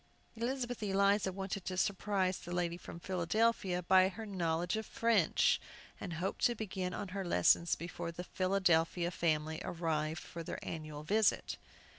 Elizabeth Eliza wanted to surprise the lady from Philadelphia by her knowledge of French, and hoped to begin on her lessons before the Philadelphia family arrived for their annual visit.